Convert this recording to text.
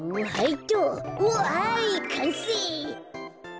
わいかんせい。